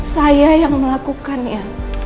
saya yang melakukannya